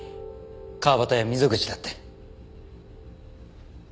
川端や溝口だって。